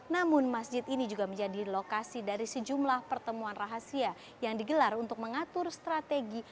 namun masjid ini juga menjadi lokasi dari sejumlah pertemuan rahasia yang digelar untuk mengatur strategi